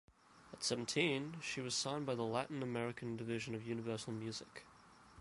At seventeen, she was signed by the Latin American division of Universal Music.